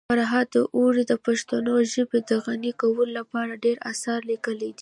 فرهاد داوري د پښتو ژبي د غني کولو لپاره ډير اثار لیکلي دي.